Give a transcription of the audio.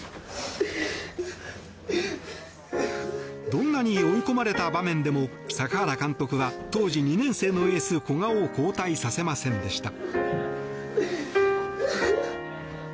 どんなに追い込まれた場面でも坂原監督は当時２年生のエース、古賀を交代させませんでした。